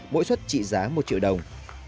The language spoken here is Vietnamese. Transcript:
mỗi xuất trị giá một triệu đồng